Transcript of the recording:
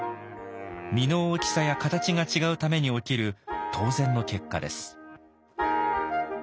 実の大きさや形が違うために起きる当然の結果です。